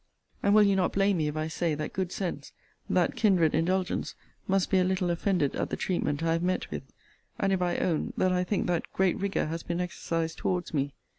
And will you not blame me, if I say, that good sense, that kindred indulgence, must be a little offended at the treatment I have met with; and if I own, that I think that great rigour has been exercised towards me!